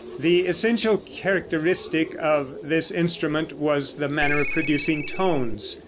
The essential characteristic of this instrument was the manner of producing tones.